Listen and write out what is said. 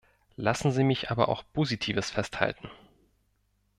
Lassen Sie mich aber auch Positives festhalten.